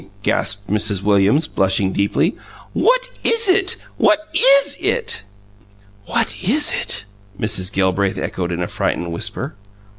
gasped Mrs. Williams, blushing deeply. "What is it? What IS it?" "WHAT IS IT?" Mrs. Gelbraith echoed in a frightened whisper.